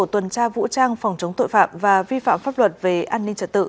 trang phòng chống tội phạm và vi phạm pháp luật về an ninh trật tự